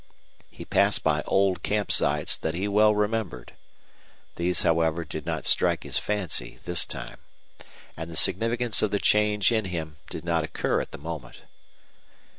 He passed by old camp sites that he well remembered. These, however, did not strike his fancy this time, and the significance of the change in him did not occur at the moment.